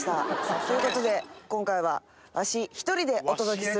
ということで、今回はわし、１人でお届けする。